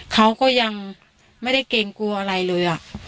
เขาก็ยังไม่ได้เกรงกลัวอะไรเลย